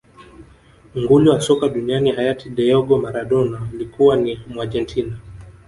nguli wa soka duniani hayati diego maradona alikuwa ni muargentina